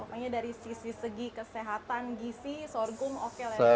pokoknya dari sisi segi kesehatan gisi sorghum oke lah ya